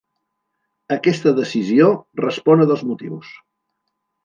Aquesta decisió respon a dos motius.